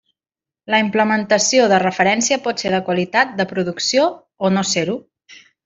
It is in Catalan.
La implementació de referència pot ser de qualitat de producció o no ser-ho.